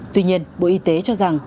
tuy nhiên bộ y tế cho rằng